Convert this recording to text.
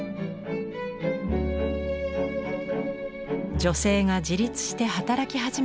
女性が自立して働き始めた時代。